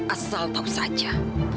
asal tahu saja